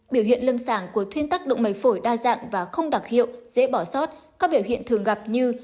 biểu hiện lâm sàng của thuyên tắc động mạch phổi đa dạng và không đặc hiệu dễ bỏ sót các biểu hiện thường gặp như